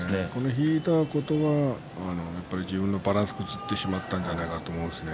引いたことが自分のバランスを崩してしまったのではないかと思います。